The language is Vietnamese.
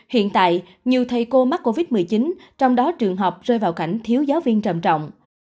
hiện tại nhiều thầy cô mắc covid một mươi chín trong đó trường học rơi vào cảnh thiếu giáo viên trầm trọng